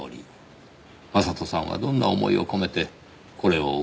将人さんはどんな思いを込めてこれを贈ったのでしょうねぇ？